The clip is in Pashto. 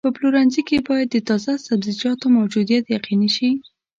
په پلورنځي کې باید د تازه سبزیجاتو موجودیت یقیني شي.